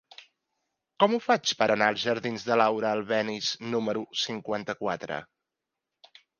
Com ho faig per anar als jardins de Laura Albéniz número cinquanta-quatre?